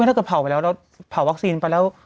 แล้วก็ไม่ได้เผาไปแล้วเราเผาวัคซีนไปแล้ว